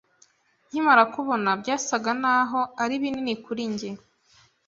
Nkimara kubona, byasaga naho ari binini kuri njye.